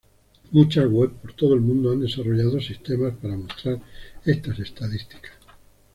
Muchas web por todo el mundo han desarrollado sistemas para mostrar estas estadísticas.